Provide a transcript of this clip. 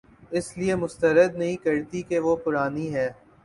اس لیے مسترد نہیں کرتی کہ وہ پرانی ہے